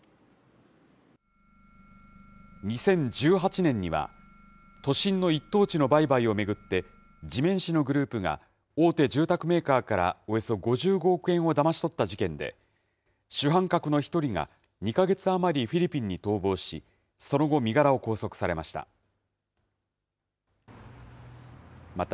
２０１８年には、都心の一等地の売買を巡って、地面師のグループが、大手住宅メーカーからおよそ５５億円をだまし取った事件で、主犯格の１人が２か月余りフィリピンに逃亡し、その後、身柄を拘束されました。